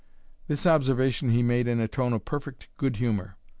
This observation he made in a tone of perfect good humour.